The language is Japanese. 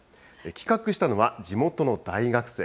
企画したのは、地元の大学生。